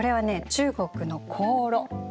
中国の香炉。